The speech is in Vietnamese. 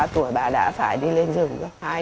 một mươi ba tuổi bà đã phải đi lên rừng